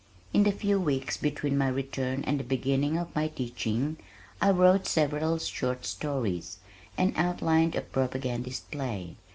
In the few weeks between my return and the beginning of my teaching, I wrote several short stories, and outlined a propagandist play.